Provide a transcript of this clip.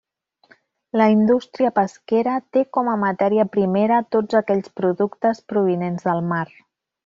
La indústria pesquera té com a matèria primera tots aquells productes provinents del mar.